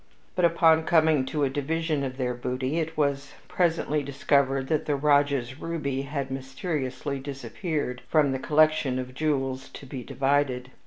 But, upon coming to a division of their booty, it was presently discovered that the Rajah's ruby had mysteriously disappeared from the collection of jewels to be divided.